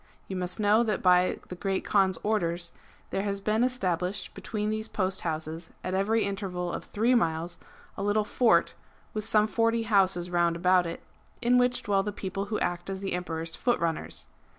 You must know that by the Great Kaan's orders there has been established between those post houses, at every interval of three miles, a little fort with some forty houses round about it, in which dwell the people who act as the Emperor's foot runners.